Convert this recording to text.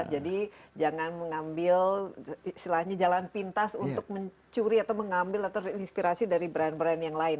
jadi jangan mengambil silahnya jalan pintas untuk mencuri atau mengambil atau menginspirasi dari brand brand yang lain